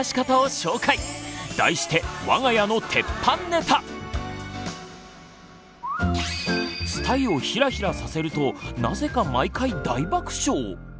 題してスタイをヒラヒラさせるとなぜか毎回大爆笑！